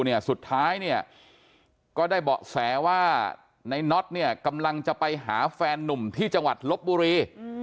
แต่สุดท้ายก็ได้เบาะแสว่าในน็อตจะไปหาแฟนนุ่มที่จังหวัดนทบุรี